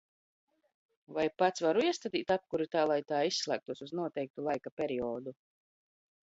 Vai pats varu iestatīt apkuri tā, lai tā izslēgtos uz noteiktu laika periodu?